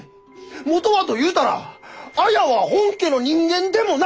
元はと言うたら綾は本家の人間でもない！